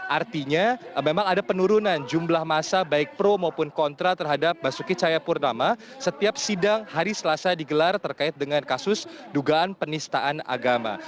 artinya memang ada penurunan jumlah masa baik pro maupun kontra terhadap basuki cahayapurnama setiap sidang hari selasa digelar terkait dengan kasus dugaan penistaan agama